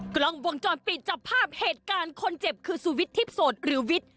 กล้องวงจรปิดจับภาพเหตุการณ์คนเจ็บคือสุวิททิพย์โสดหรือวิทย์